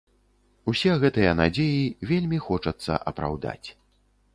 Усе гэтыя надзеі вельмі хочацца апраўдаць.